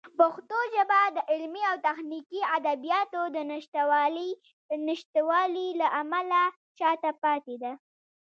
پښتو ژبه د علمي او تخنیکي ادبیاتو د نشتوالي له امله شاته پاتې ده.